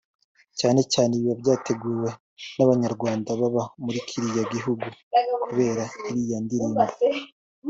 cyane cyane ibiba byateguwe n’Abanyarwanda baba muri kiriya gihugu kubera iriya ndirimbo